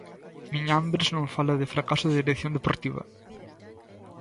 Miñambres non fala de fracaso da dirección deportiva.